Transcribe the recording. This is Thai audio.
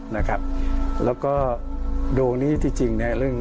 นะครับแล้วก็โดงนี้ที่จริงเนี่ย